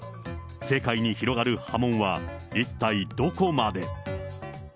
政界に広がる波紋は一体どこまで。